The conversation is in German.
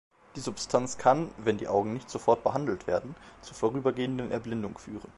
Die Substanz kann, wenn die Augen nicht sofort behandelt werden, zur vorübergehenden Erblindung führen.